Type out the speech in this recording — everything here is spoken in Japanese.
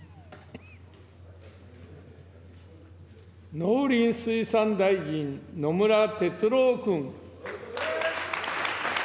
農林水産大臣、野村哲郎君。